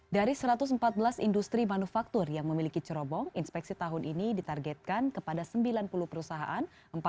dari satu ratus empat belas industri manufaktur yang memiliki cerobong inspeksi tahun ini ditargetkan kepada sembilan puluh perusahaan